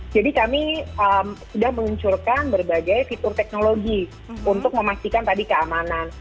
jadi kami sudah meluncurkan berbagai fitur teknologi untuk memastikan tadi keamanan